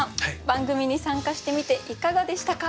番組に参加してみていかがでしたか？